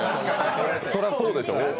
そりゃそうでしょう。